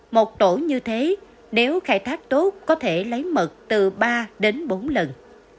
một tổ như thế nếu khai thác tốt có thể lấy mật từ ba đến bốn lần